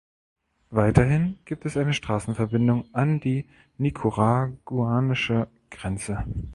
Weiterhin gibt es eine Straßenverbindung an die nicaraguanische Grenze.